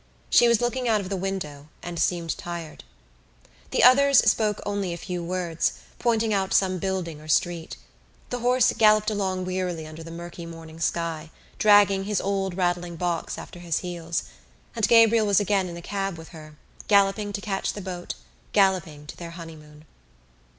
She was looking out of the window and seemed tired. The others spoke only a few words, pointing out some building or street. The horse galloped along wearily under the murky morning sky, dragging his old rattling box after his heels, and Gabriel was again in a cab with her, galloping to catch the boat, galloping to their honeymoon.